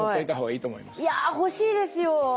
いや欲しいですよ。